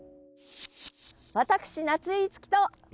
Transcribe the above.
私、夏井いつきと。